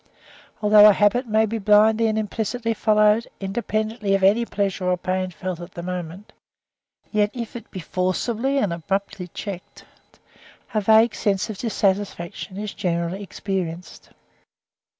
Although a habit may be blindly and implicitly followed, independently of any pleasure or pain felt at the moment, yet if it be forcibly and abruptly checked, a vague sense of dissatisfaction is generally experienced.